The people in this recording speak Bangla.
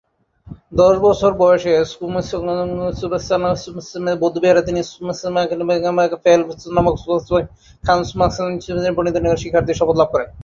দশ বছর বয়সে ঙ্গোর-এ-বাম-ছোস-ল্দান বৌদ্ধবিহারে তিনি দ্কোন-ম্ছোগ-'ফেল-বা নামক সপ্তম ঙ্গোর-ছেন এবং গ্লো-বো-ম্খান-ছেন-ব্সোদ-নাম্স-ল্হুন-গ্রুব নামক পন্ডিতের নিকট শিক্ষার্থীর শপথ লাভ করেন।